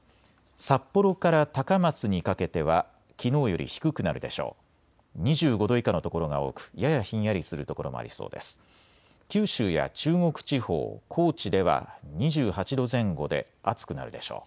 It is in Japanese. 札幌から高松にかけてはきのうより低くなるでしょう。